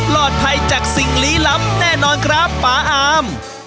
ภัยจากสิ่งลี้ลับแน่นอนครับป่าอาม